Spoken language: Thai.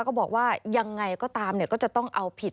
ก็บอกว่ายังไงก็ตามก็จะต้องเอาผิด